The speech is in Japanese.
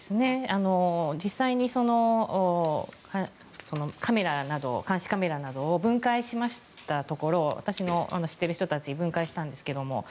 実際に監視カメラなどを分解しましたところ私の知っている人たちが分解したんですけれども。